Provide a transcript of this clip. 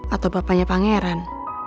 atau papanya pangeran